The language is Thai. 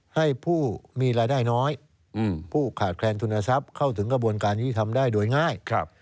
ให้ผู้มีรายได้น้อยผู้ขาดแคลนทุนทรัพย์เข้าถึงกระบวนการยุติธรรมได้โดยง่าย